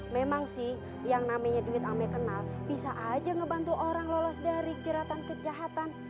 memang sih yang namanya duit ame kenal bisa aja ngebantu orang lolos dari jeratan kejahatan